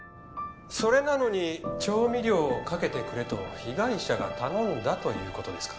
それなのに調味料をかけてくれと被害者が頼んだということですか？